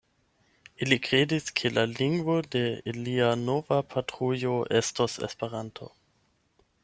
Ili kredis, ke la lingvo de ilia nova patrujo estos Esperanto.